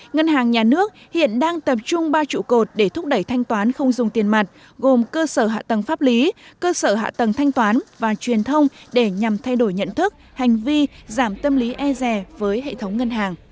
ngân hàng nhà nước hiện đang tập trung ba trụ cột để thúc đẩy thanh toán không dùng tiền mặt gồm cơ sở hạ tầng pháp lý cơ sở hạ tầng thanh toán và truyền thông để nhằm thay đổi nhận thức hành vi giảm tâm lý e rè với hệ thống ngân hàng